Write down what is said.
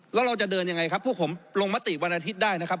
แล้วเราจะเดินยังไงครับพวกผมลงมติวันอาทิตย์ได้นะครับ